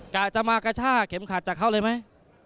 กะจะมากระชากเข็มขัดจากเขาเลยไหม